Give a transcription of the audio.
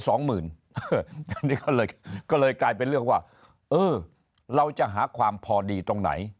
อันนี้ก็เลยกลายเป็นเรื่องว่าเออเราจะหาความพอดีตรงไหน